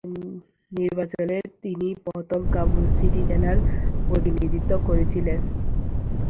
নির্বাচনে তিনি প্রথম কাবুল সিটি জেলার প্রতিনিধিত্ব করেছিলেন।